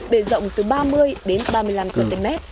bề rộng từ ba mươi đến ba mươi năm cm